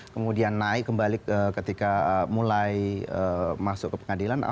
kemudian naik kembali ketika mulai masuk ke pengadilan